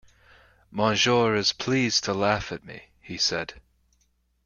"Monsieur is pleased to laugh at me," he said.